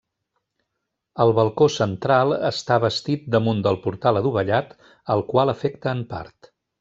El balcó central està bastit damunt del portal adovellat, al qual afecta en part.